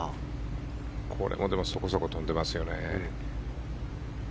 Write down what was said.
これもそこそこ飛んでますよね。